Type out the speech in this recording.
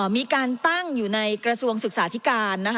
มีการตั้งอยู่ในกระทรวงศึกษาธิการ